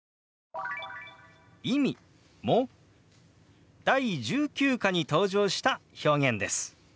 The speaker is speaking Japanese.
「意味」も第１９課に登場した表現です。